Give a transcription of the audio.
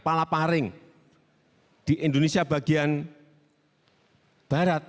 pala paring di indonesia bagian barat